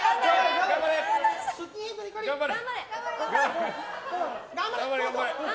頑張れ！